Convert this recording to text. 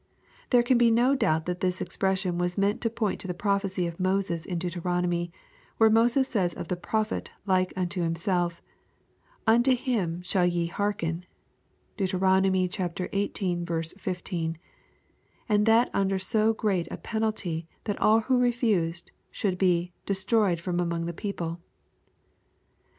] There can be no doubt that this expression w«a meant to point to the prophecy of Moses in Deuteronomy, where Moses says of the prophet like unto himself " Unto him shall yo hearken," (Deut xviii. 15.) and that under so great a penalty thai all who refiised should be "destroyed from among the peo pie.'